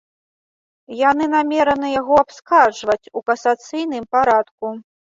Яны намераны яго абскарджваць у касацыйным парадку.